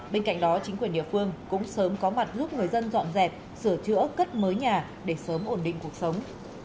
bên cạnh đó chính quyền địa phương cũng sớm có mặt giúp người dân dọn dẹp sửa chữa cất mới nhà để sớm ổn định cuộc sống